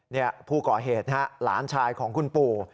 นี่ผู้ก่อเหตุนะฮะหลานชายของคุณปู่